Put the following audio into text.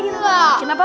tidak ada apa